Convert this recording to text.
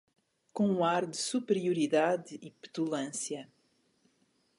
Com um ar de superioridade e petulância